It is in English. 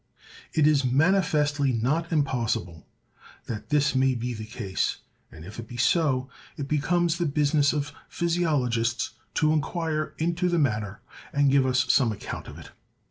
It is manifestly not impossible that this may be the case; and if it be so, it becomes the business of physiologists to inquire into the matter, and give us some account of it.